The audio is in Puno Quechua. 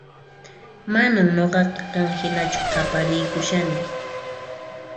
Manan nuqaqa qan hinachu qapariykushani